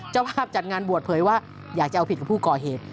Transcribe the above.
เจ้าภาพจัดงานบวชเผยว่าอยากจะเอาผิดกับผู้ก่อเหตุ